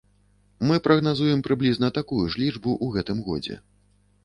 Мы прагназуем прыблізна такую ж лічбу ў гэтым годзе.